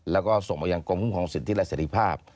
แล้วก็ส่งมายังกรมคุ้มครองสิทธิและเสร็จภาพ